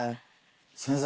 先生。